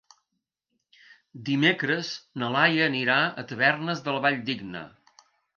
Dimecres na Laia anirà a Tavernes de la Valldigna.